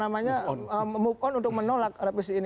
namanya move on untuk menolak revisi ini